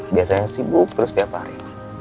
biasanya sibuk terus setiap hari